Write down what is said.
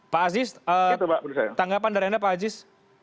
pak aziz tanggapan dari anda pak aziz